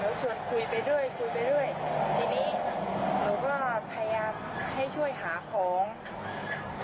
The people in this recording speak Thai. เราชวนคุยไปด้วยคุยไปด้วยทีนี้หนูก็พยายามให้ช่วยหาของค่ะ